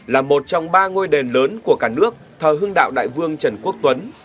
là một trong ba ngôi đền lớn của cả nước thờ hưng đạo đại vương trần quốc tuấn